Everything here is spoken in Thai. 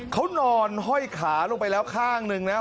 เขานอนห้อยขาลงไปแล้วข้างหนึ่งนะ